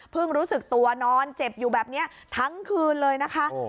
รู้สึกตัวนอนเจ็บอยู่แบบนี้ทั้งคืนเลยนะคะ